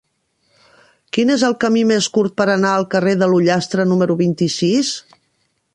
Quin és el camí més curt per anar al carrer de l'Ullastre número vint-i-sis?